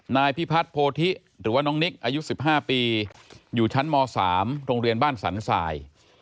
นายพิพัฒนโพธิหรือว่าน้องนิกอายุ๑๕ปีอยู่ชั้นม๓โรงเรียนบ้านสันสาย